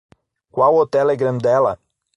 Qual o Telegram dela?